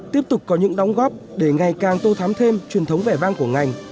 tiếp tục có những đóng góp để ngày càng tô thắm thêm truyền thống vẻ vang của ngành